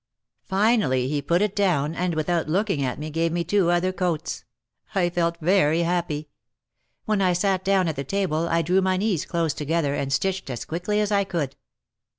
Finally he put it down and without looking at me gave me two other coats. I felt very happy ! When I sat down at the table I drew my knees close together and stitched as quickly as I could.